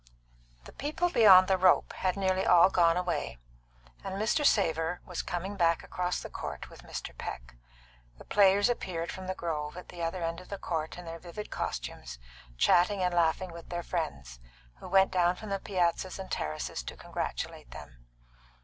The people beyond the rope had nearly all gone away, and Mr. Savor was coming back across the court with Mr. Peck. The players appeared from the grove at the other end of the court in their vivid costumes, chatting and laughing with their friends, who went down from the piazzas and terraces to congratulate them.